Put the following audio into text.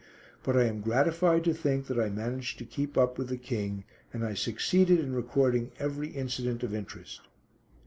But I am gratified to think that I managed to keep up with the King, and I succeeded in recording every incident of interest.